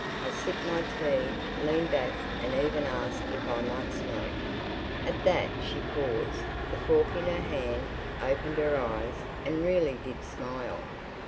I sipped my tea, leaned back, and even asked if I might smoke. At that she paused, the fork in her hand, opened her eyes, and really did smile.